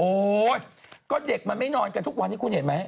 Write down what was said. โอ๊ยก็เด็กมันไม่นอนกันทุกวันนี้คุณเห็นไหม